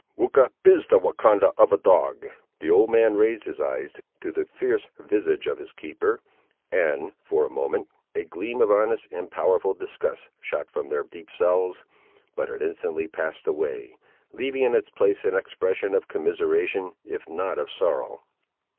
"Weucha is the Wahcondah of a dog." The old man raised his eyes to the fierce visage of his keeper, and, for a moment, a gleam of honest and powerful disgust shot from their deep cells; but it instantly passed away, leaving in its place an expression of commiseration, if not of sorrow.